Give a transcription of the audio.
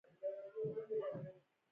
نانی زړور دی